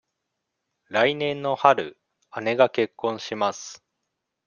来年の春、姉が結婚します。